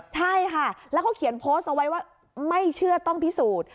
ใช่ค่ะแล้วเขาเขียนโพสต์เอาไว้ว่าไม่เชื่อต้องพิสูจน์